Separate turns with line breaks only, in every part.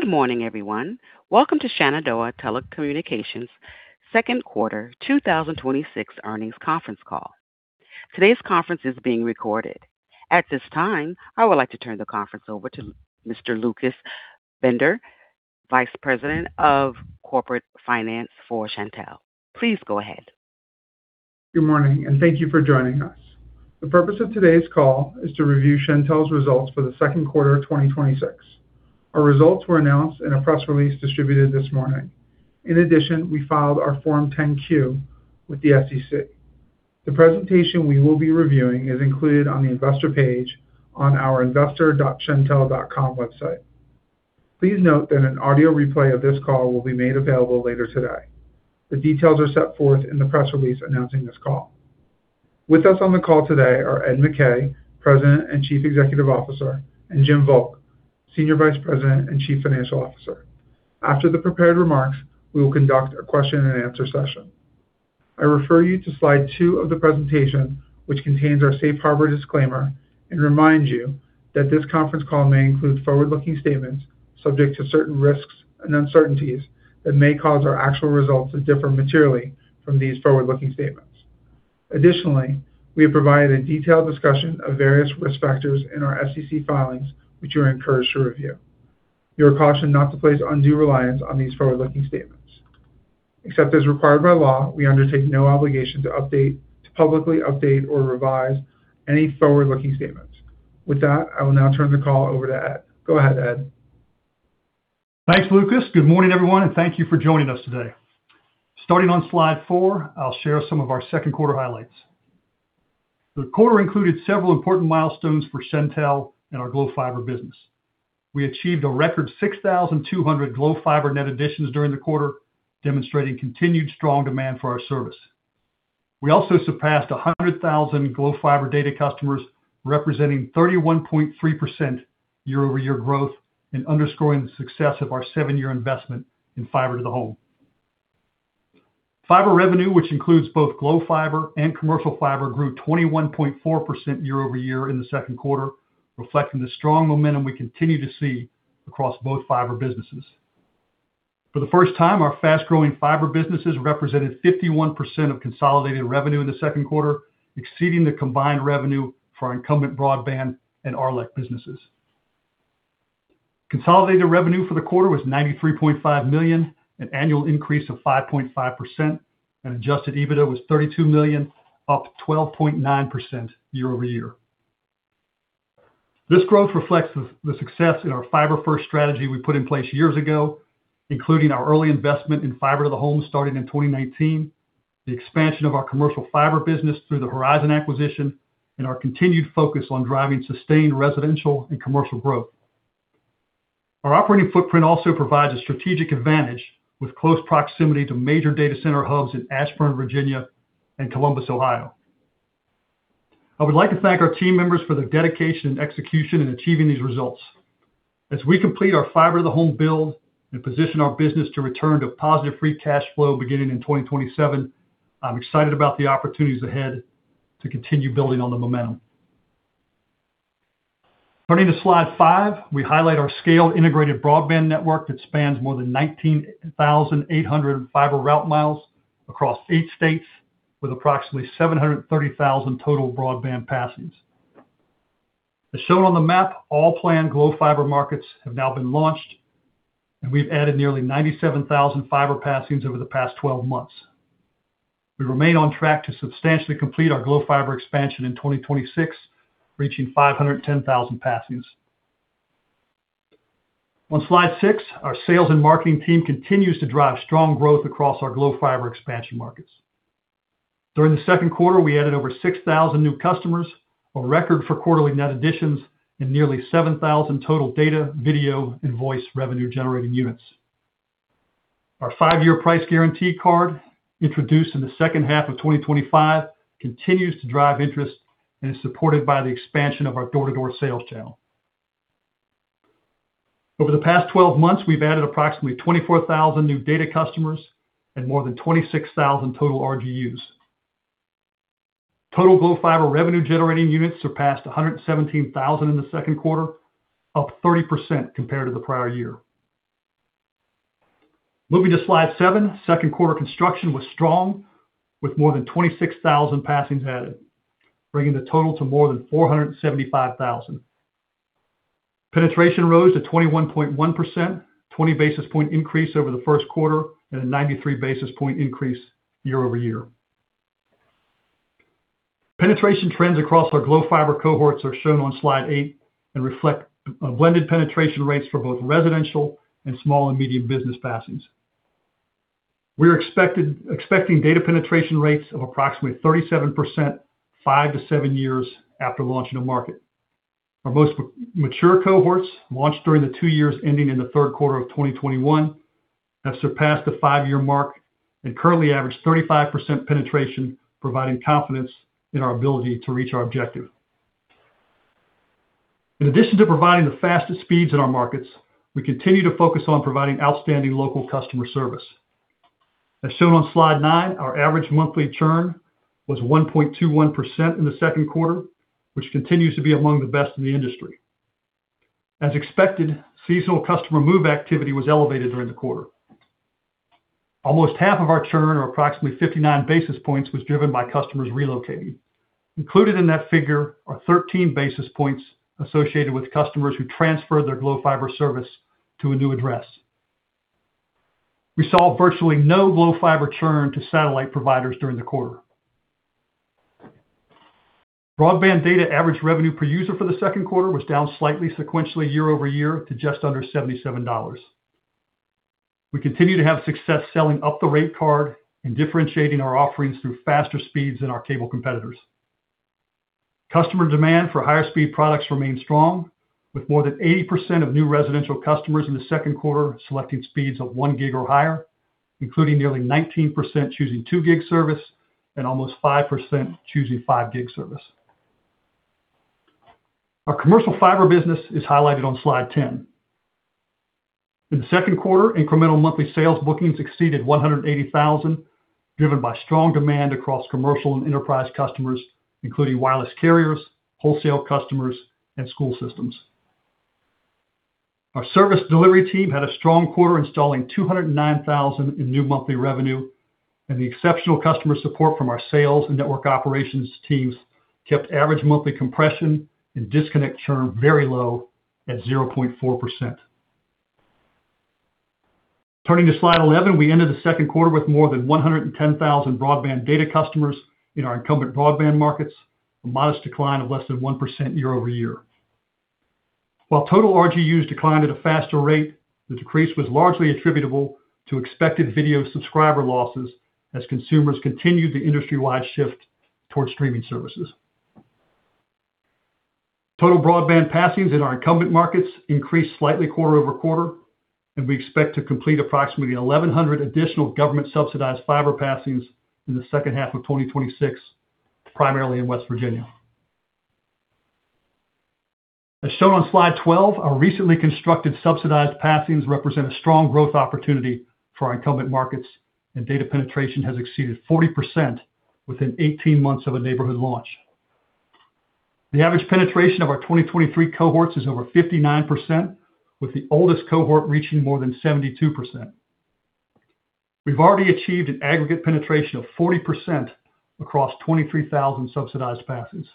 Good morning, everyone. Welcome to Shenandoah Telecommunications' second quarter 2026 earnings conference call. Today's conference is being recorded. At this time, I would like to turn the conference over to Mr. Lucas Binder, Vice President of Corporate Finance for Shentel. Please go ahead.
Good morning, thank you for joining us. The purpose of today's call is to review Shentel's results for the second quarter of 2026. Our results were announced in a press release distributed this morning. In addition, we filed our Form 10-Q with the SEC. The presentation we will be reviewing is included on the investor page on our investor.shentel.com website. Please note that an audio replay of this call will be made available later today. The details are set forth in the press release announcing this call. With us on the call today are Ed McKay, President and Chief Executive Officer, and Jim Volk, Senior Vice President and Chief Financial Officer. After the prepared remarks, we will conduct a question and answer session. I refer you to slide two of the presentation, which contains our safe harbor disclaimer, remind you that this conference call may include forward-looking statements subject to certain risks and uncertainties that may cause our actual results to differ materially from these forward-looking statements. Additionally, we have provided a detailed discussion of various risk factors in our SEC filings, which you are encouraged to review. You are cautioned not to place undue reliance on these forward-looking statements. Except as required by law, we undertake no obligation to publicly update or revise any forward-looking statements. With that, I will now turn the call over to Ed. Go ahead, Ed.
Thanks, Lucas. Good morning, everyone. Thank you for joining us today. Starting on slide four, I'll share some of our second quarter highlights. The quarter included several important milestones for Shentel and our Glo Fiber business. We achieved a record 6,200 Glo Fiber net additions during the quarter, demonstrating continued strong demand for our service. We also surpassed 100,000 Glo Fiber data customers, representing 31.3% year-over-year growth and underscoring the success of our seven-year investment in fiber to the home. Fiber revenue, which includes both Glo Fiber and commercial fiber, grew 21.4% year-over-year in the second quarter, reflecting the strong momentum we continue to see across both fiber businesses. For the first time, our fast-growing fiber businesses represented 51% of consolidated revenue in the second quarter, exceeding the combined revenue for our incumbent broadband and RLEC businesses. Consolidated revenue for the quarter was $93.5 million, an annual increase of 5.5%, and adjusted EBITDA was $32 million, up 12.9% year-over-year. This growth reflects the success in our fiber-first strategy we put in place years ago, including our early investment in fiber to the home starting in 2019, the expansion of our commercial fiber business through the Horizon acquisition, and our continued focus on driving sustained residential and commercial growth. Our operating footprint also provides a strategic advantage with close proximity to major data center hubs in Ashburn, Virginia, and Columbus, Ohio. I would like to thank our team members for their dedication and execution in achieving these results. As we complete our fiber to the home build and position our business to return to positive free cash flow beginning in 2027, I'm excited about the opportunities ahead to continue building on the momentum. Turning to slide five, we highlight our scaled integrated broadband network that spans more than 19,800 fiber route miles across eight states, with approximately 730,000 total broadband passings. As shown on the map, all planned Glo Fiber markets have now been launched, and we've added nearly 97,000 fiber passings over the past 12 months. We remain on track to substantially complete our Glo Fiber expansion in 2026, reaching 510,000 passings. On slide six, our sales and marketing team continues to drive strong growth across our Glo Fiber expansion markets. During the second quarter, we added over 6,000 new customers, a record for quarterly net additions, and nearly 7,000 total data, video, and voice revenue-generating units. Our five-year price guarantee card, introduced in the second half of 2025, continues to drive interest and is supported by the expansion of our door-to-door sales channel. Over the past 12 months, we've added approximately 24,000 new data customers and more than 26,000 total RGUs. Total Glo Fiber revenue-generating units surpassed 117,000 in the second quarter, up 30% compared to the prior year. Moving to slide seven, second quarter construction was strong, with more than 26,000 passings added, bringing the total to more than 475,000. Penetration rose to 21.1%, 20 basis point increase over the first quarter, and a 93 basis point increase year-over-year. Penetration trends across our Glo Fiber cohorts are shown on slide eight and reflect blended penetration rates for both residential and small and medium business passings. We are expecting data penetration rates of approximately 37%, five to seven years after launch in a market. Our most mature cohorts, launched during the two years ending in the third quarter of 2021, have surpassed the five-year mark and currently average 35% penetration, providing confidence in our ability to reach our objective. In addition to providing the fastest speeds in our markets, we continue to focus on providing outstanding local customer service. As shown on slide nine, our average monthly churn was 1.21% in the second quarter, which continues to be among the best in the industry. As expected, seasonal customer move activity was elevated during the quarter. Almost half of our churn, or approximately 59 basis points, was driven by customers relocating. Included in that figure are 13 basis points associated with customers who transferred their Glo Fiber service to a new address. We saw virtually no Glo Fiber churn to satellite providers during the quarter. Broadband data average revenue per user for the second quarter was down slightly sequentially year-over-year to just under $77. We continue to have success selling up the rate card and differentiating our offerings through faster speeds than our cable competitors. Customer demand for higher speed products remains strong, with more than 80% of new residential customers in the second quarter selecting speeds of one gig or higher, including nearly 19% choosing two gig service and almost 5% choosing five gig service. Our commercial fiber business is highlighted on slide 10. In the second quarter, incremental monthly sales bookings exceeded $180,000, driven by strong demand across commercial and enterprise customers, including wireless carriers, wholesale customers, and school systems. Our service delivery team had a strong quarter, installing $209,000 in new monthly revenue, and the exceptional customer support from our sales and network operations teams kept average monthly compression and disconnect churn very low at 0.4%. Turning to slide 11, we ended the second quarter with more than 110,000 broadband data customers in our incumbent broadband markets, a modest decline of less than 1% year-over-year. While total RGUs declined at a faster rate, the decrease was largely attributable to expected video subscriber losses as consumers continued the industry-wide shift towards streaming services. Total broadband passings in our incumbent markets increased slightly quarter-over-quarter, and we expect to complete approximately 1,100 additional government-subsidized fiber passings in the second half of 2026, primarily in West Virginia. As shown on slide 12, our recently constructed subsidized passings represent a strong growth opportunity for our incumbent markets, and data penetration has exceeded 40% within 18 months of a neighborhood launch. The average penetration of our 2023 cohorts is over 59%, with the oldest cohort reaching more than 72%. We've already achieved an aggregate penetration of 40% across 23,000 subsidized passings.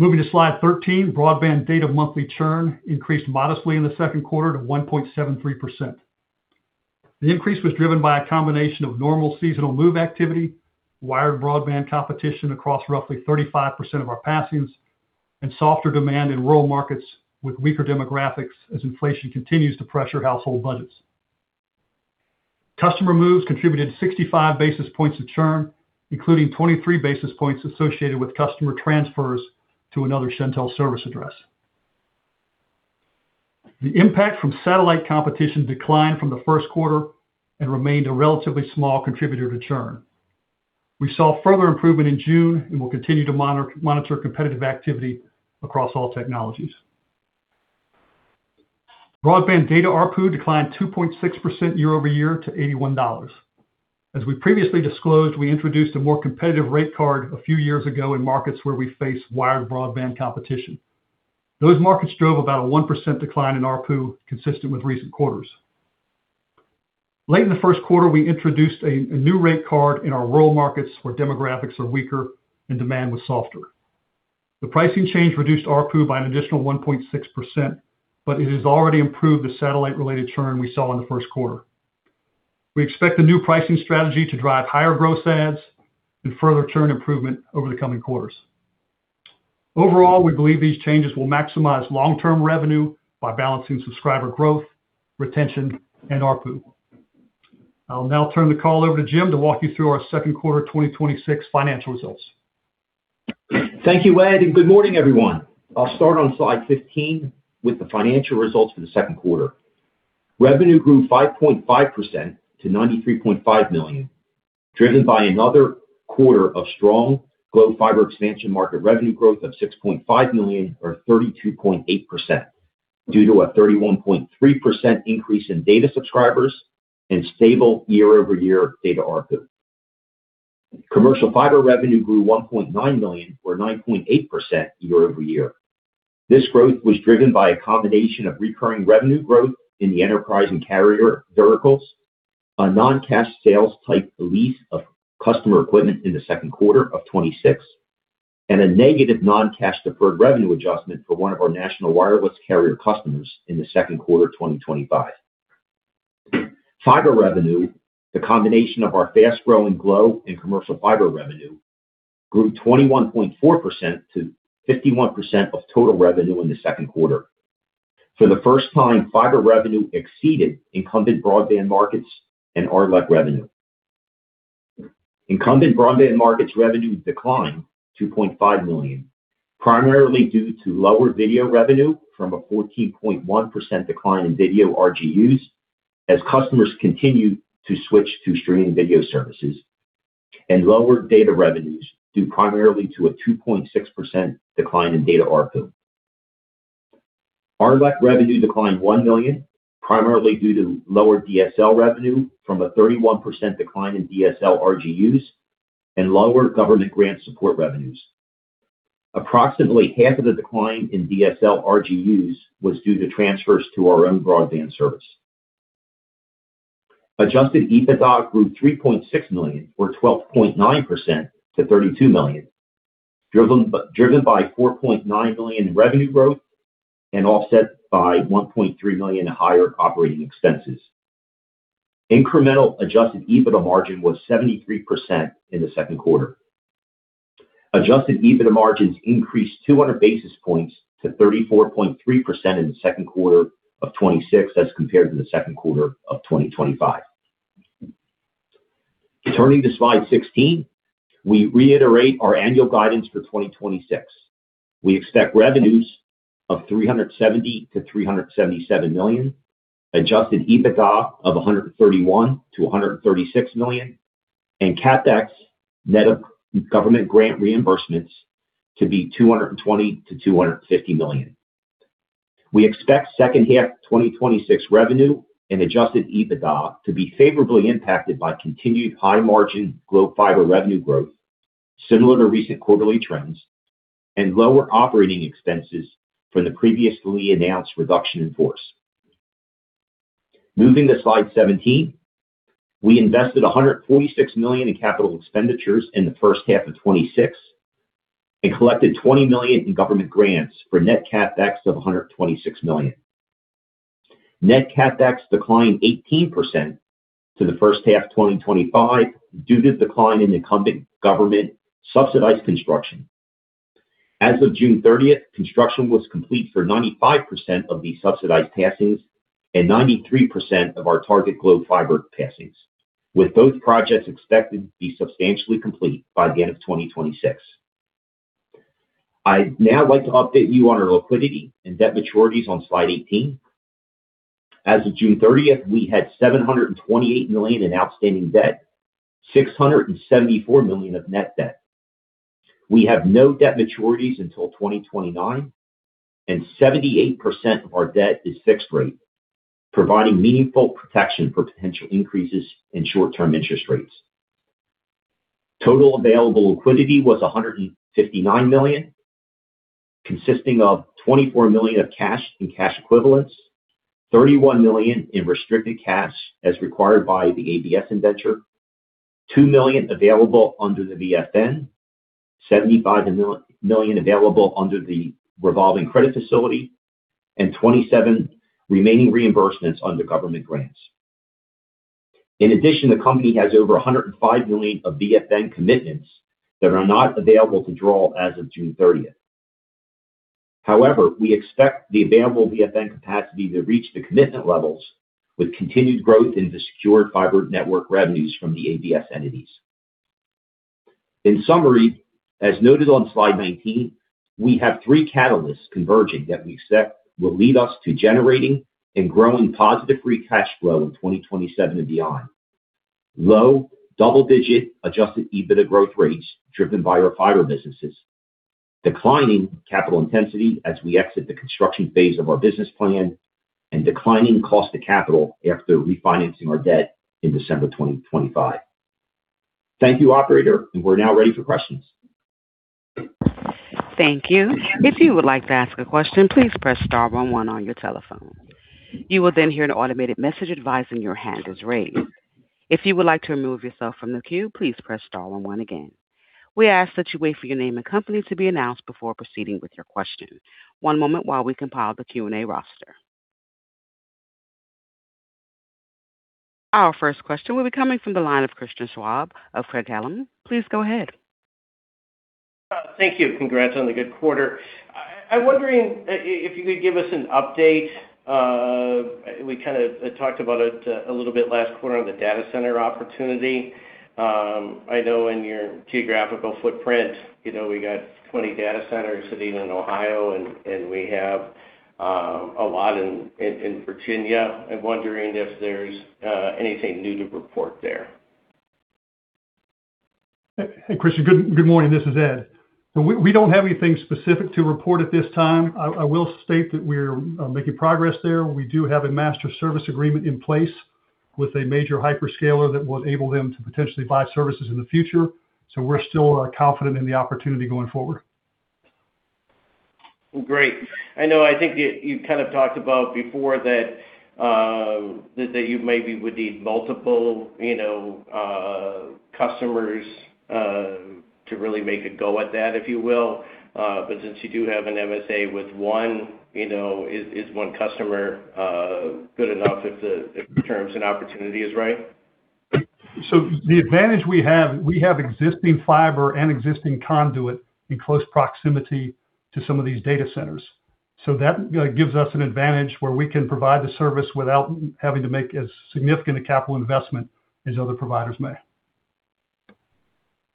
Moving to slide 13, broadband data monthly churn increased modestly in the second quarter to 1.73%. The increase was driven by a combination of normal seasonal move activity, wired broadband competition across roughly 35% of our passings, and softer demand in rural markets with weaker demographics as inflation continues to pressure household budgets. Customer moves contributed 65 basis points of churn, including 23 basis points associated with customer transfers to another Shentel service address. The impact from satellite competition declined from the first quarter and remained a relatively small contributor to churn. We saw further improvement in June and will continue to monitor competitive activity across all technologies. Broadband data ARPU declined 2.6% year-over-year to $81. As we previously disclosed, we introduced a more competitive rate card a few years ago in markets where we face wired broadband competition. Those markets drove about a 1% decline in ARPU, consistent with recent quarters. Late in the first quarter, we introduced a new rate card in our rural markets where demographics are weaker and demand was softer. The pricing change reduced ARPU by an additional 1.6%, but it has already improved the satellite-related churn we saw in the first quarter. We expect the new pricing strategy to drive higher gross adds and further churn improvement over the coming quarters. Overall, we believe these changes will maximize long-term revenue by balancing subscriber growth, retention, and ARPU. I'll now turn the call over to Jim to walk you through our second quarter 2026 financial results.
Thank you, Ed. Good morning, everyone. I'll start on slide 15 with the financial results for the second quarter. Revenue grew 5.5% to $93.5 million, driven by another quarter of strong Glo Fiber expansion market revenue growth of $6.5 million or 32.8%, due to a 31.3% increase in data subscribers and stable year-over-year data ARPU. Commercial fiber revenue grew $1.9 million or 9.8% year-over-year. This growth was driven by a combination of recurring revenue growth in the enterprise and carrier verticals, a non-cash sales-type lease of customer equipment in the second quarter of 2026, and a negative non-cash deferred revenue adjustment for one of our national wireless carrier customers in the second quarter of 2025. Fiber revenue, the combination of our fast-growing Glo Fiber and commercial fiber revenue, grew 21.4% to 51% of total revenue in the second quarter. For the first time, fiber revenue exceeded incumbent broadband markets and RLEC revenue. Incumbent broadband markets revenue declined $2.5 million, primarily due to lower video revenue from a 14.1% decline in video RGUs as customers continued to switch to streaming video services, and lower data revenues due primarily to a 2.6% decline in data ARPU. RLEC revenue declined $1 million, primarily due to lower DSL revenue from a 31% decline in DSL RGUs and lower government grant support revenues. Approximately half of the decline in DSL RGUs was due to transfers to our own broadband service. Adjusted EBITDA grew $3.6 million, or 12.9% to $32 million, driven by $4.9 million in revenue growth and offset by $1.3 million in higher operating expenses. Incremental adjusted EBITDA margin was 73% in the second quarter. Adjusted EBITDA margins increased 200 basis points to 34.3% in the second quarter of 2026 as compared to the second quarter of 2025. Turning to slide 16, we reiterate our annual guidance for 2026. We expect revenues of $370 million-$377 million, adjusted EBITDA of $131 million-$136 million, and CapEx net of government grant reimbursements to be $220 million-$250 million. We expect second half 2026 revenue and adjusted EBITDA to be favorably impacted by continued high margin Glo Fiber revenue growth, similar to recent quarterly trends, and lower operating expenses from the previously announced reduction in force. Moving to slide 17. We invested $146 million in capital expenditures in the first half of 2026 and collected $20 million in government grants for net CapEx of $126 million. Net CapEx declined 18% to the first half 2025 due to decline in incumbent government-subsidized construction. As of June 30th, construction was complete for 95% of the subsidized passings and 93% of our target Glo Fiber passings, with both projects expected to be substantially complete by the end of 2026. I'd now like to update you on our liquidity and debt maturities on slide 18. As of June 30th, we had $728 million in outstanding debt, $674 million of net debt. We have no debt maturities until 2029, and 78% of our debt is fixed rate, providing meaningful protection for potential increases in short-term interest rates. Total available liquidity was $159 million, consisting of $24 million of cash and cash equivalents, $31 million in restricted cash as required by the ABS Indenture, $2 million available under the VFN, $75 million available under the revolving credit facility, and $27 million remaining reimbursements under government grants. The company has over $105 million of VFN commitments that are not available to draw as of June 30th. However, we expect the available VFN capacity to reach the commitment levels with continued growth in the secured fiber network revenues from the ABS entities. In summary, as noted on slide 19, we have three catalysts converging that we expect will lead us to generating and growing positive free cash flow in 2027 and beyond. Low double-digit adjusted EBITDA growth rates driven by our fiber businesses, declining capital intensity as we exit the construction phase of our business plan, and declining cost of capital after refinancing our debt in December 2025. Thank you, operator, and we're now ready for questions.
Thank you. If you would like to ask a question, please press star one one on your telephone. You will then hear an automated message advising your hand is raised. If you would like to remove yourself from the queue, please press star one one again. We ask that you wait for your name and company to be announced before proceeding with your question. One moment while we compile the Q&A roster. Our first question will be coming from the line of Christian Schwab of Craig-Hallum. Please go ahead.
Thank you. Congrats on the good quarter. I'm wondering if you could give us an update. We kind of talked about it a little bit last quarter on the data center opportunity. I know in your geographical footprint we got 20 data centers sitting in Ohio, and we have a lot in Virginia. I'm wondering if there's anything new to report there.
Hey, Christian. Good morning. This is Ed. We don't have anything specific to report at this time. I will state that we're making progress there. We do have a master service agreement in place with a major hyperscaler that will enable them to potentially buy services in the future. We're still confident in the opportunity going forward.
Great. I know, I think you kind of talked about before that you maybe would need multiple customers to really make a go at that, if you will. Since you do have an MSA with one, is one customer good enough if the terms and opportunity is right?
The advantage we have, we have existing fiber and existing conduit in close proximity to some of these data centers. That gives us an advantage where we can provide the service without having to make as significant a capital investment as other providers may.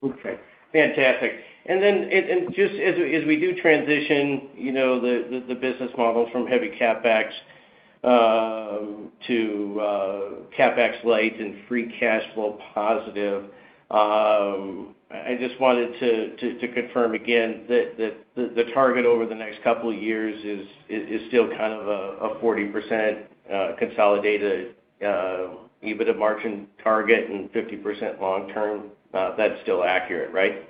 Okay, fantastic. As we do transition the business model from heavy CapEx light and free cash flow positive. I just wanted to confirm again that the target over the next couple of years is still kind of a 40% consolidated EBITDA margin target and 50% long term. That's still accurate, right?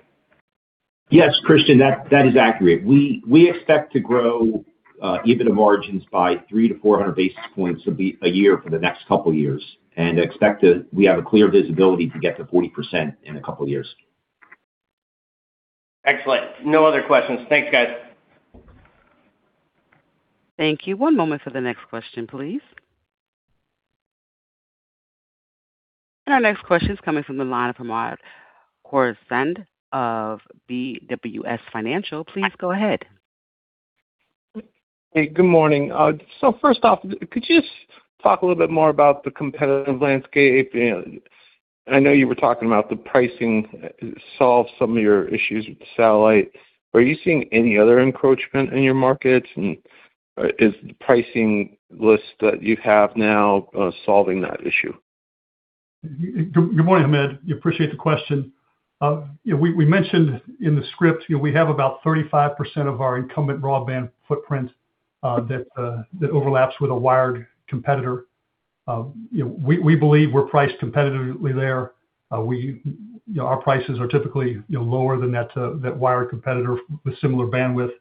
Yes, Christian, that is accurate. We expect to grow EBITDA margins by 300 to 400 basis points a year for the next couple of years. We have a clear visibility to get to 40% in a couple of years.
Excellent. No other questions. Thanks, guys.
Thank you. One moment for the next question, please. Our next question is coming from the line of Hamed Khorsand of BWS Financial. Please go ahead.
Hey, good morning. First off, could you just talk a little bit more about the competitive landscape? I know you were talking about the pricing solve some of your issues with satellite. Are you seeing any other encroachment in your markets, and is the pricing list that you have now solving that issue?
Good morning, Hamed. We appreciate the question. We mentioned in the script, we have about 35% of our incumbent broadband footprint that overlaps with a wired competitor. We believe we're priced competitively there. Our prices are typically lower than that wired competitor with similar bandwidth.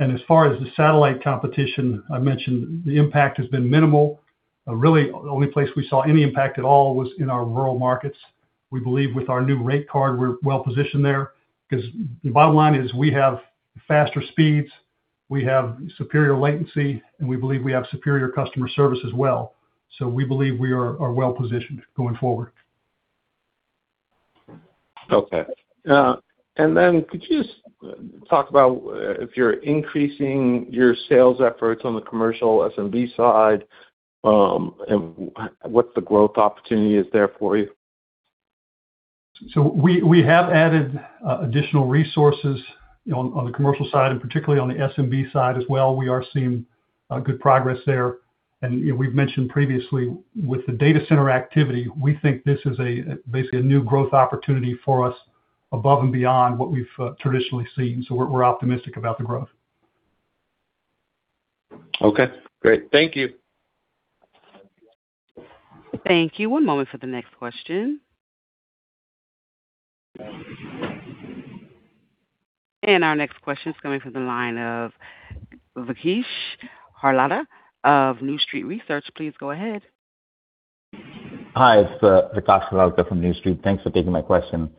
As far as the satellite competition, I mentioned the impact has been minimal. The only place we saw any impact at all was in our rural markets. We believe with our new rate card, we're well-positioned there because the bottom line is we have faster speeds, we have superior latency, and we believe we have superior customer service as well. We believe we are well-positioned going forward.
Okay. Could you just talk about if you're increasing your sales efforts on the commercial SMB side, and what the growth opportunity is there for you?
We have added additional resources on the commercial side, and particularly on the SMB side as well. We are seeing good progress there. We've mentioned previously with the data center activity, we think this is basically a new growth opportunity for us above and beyond what we've traditionally seen. We're optimistic about the growth.
Okay, great. Thank you.
Thank you. One moment for the next question. Our next question is coming from the line of Vikash Harlalka of New Street Research. Please go ahead.
Hi, it's Vikash Harlalka from New Street. Thanks for taking my question.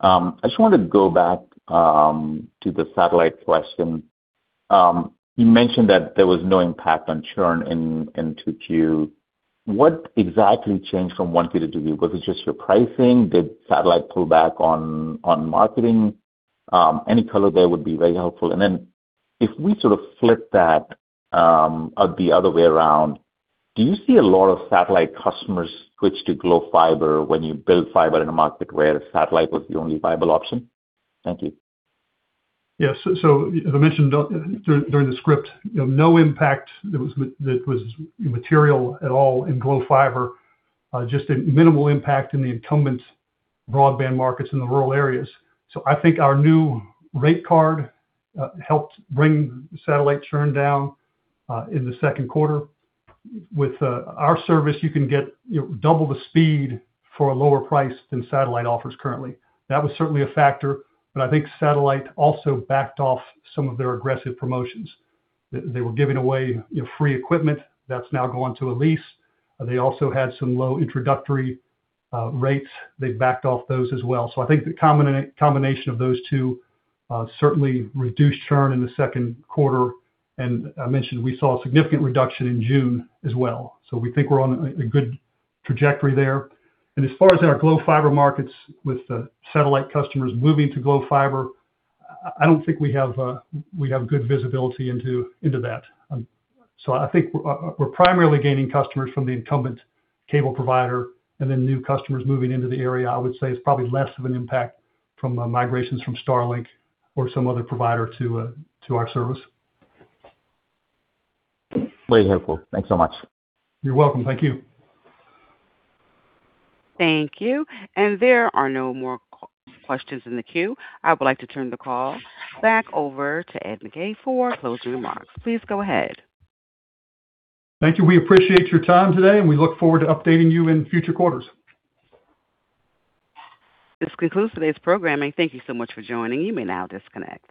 I just wanted to go back to the Satellite question. You mentioned that there was no impact on churn in 2Q. What exactly changed from 1Q to 2Q? Was it just your pricing? Did Satellite pull back on marketing? Any color there would be very helpful. Then if we sort of flip that the other way around, do you see a lot of Satellite customers switch to Glo Fiber when you build fiber in a market where Satellite was the only viable option? Thank you.
Yes. As I mentioned during the script, no impact that was material at all in Glo Fiber, just a minimal impact in the incumbents' broadband markets in the rural areas. I think our new rate card helped bring Satellite churn down in the second quarter. With our service, you can get double the speed for a lower price than Satellite offers currently. That was certainly a factor, I think Satellite also backed off some of their aggressive promotions. They were giving away free equipment, that's now gone to a lease. They also had some low introductory rates. They backed off those as well. I think the combination of those two certainly reduced churn in the second quarter, I mentioned we saw a significant reduction in June as well. We think we're on a good trajectory there. As far as our Glo Fiber markets with the Satellite customers moving to Glo Fiber, I don't think we have good visibility into that. I think we're primarily gaining customers from the incumbent cable provider then new customers moving into the area, I would say is probably less of an impact from migrations from Starlink or some other provider to our service.
Very helpful. Thanks so much.
You're welcome. Thank you.
Thank you. There are no more questions in the queue. I would like to turn the call back over to Ed McKay for closing remarks. Please go ahead.
Thank you. We appreciate your time today, and we look forward to updating you in future quarters.
This concludes today's programming. Thank you so much for joining. You may now disconnect.